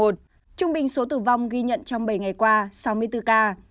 trung bình số tử vong ghi nhận trong bảy ngày qua sáu mươi bốn ca